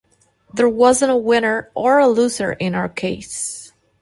There wasn't a winner or a loser in our case.